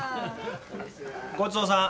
ごちそうさん。